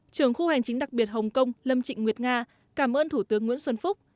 trưởng khu hành chính đặc biệt hồng kông lâm trịnh nguyệt nga cảm ơn thủ tướng nguyễn xuân phúc